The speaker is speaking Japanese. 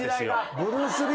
ブルース・リー。